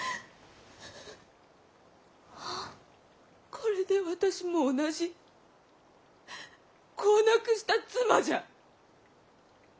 これで私も同じ子を亡くした妻じゃ。